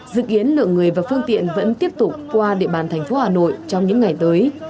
dự kiến lượng người và phương tiện vẫn tiếp tục qua địa bàn thành phố hà nội trong những ngày tới